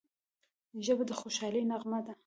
ژبه د خوشحالۍ نغمه ده